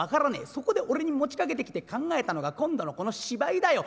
そこで俺に持ちかけてきて考えたのが今度のこの芝居だよ。